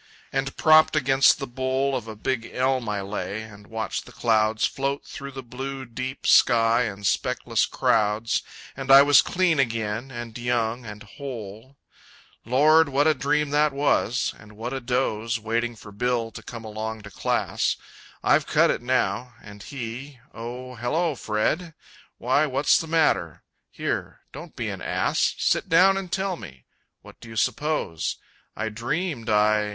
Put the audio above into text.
and propped against the bole Of a big elm I lay, and watched the clouds Float through the blue, deep sky in speckless crowds, And I was clean again, and young, and whole. Lord, what a dream that was! And what a doze Waiting for Bill to come along to class! I've cut it now and he Oh, hello, Fred! Why, what's the matter? here don't be an ass, Sit down and tell me! What do you suppose? I dreamed I...